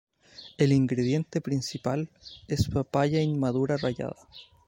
El ingrediente principal es papaya inmadura rallada.